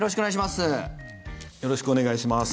よろしくお願いします。